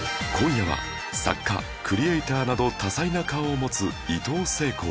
今夜は作家クリエイターなど多才な顔を持つ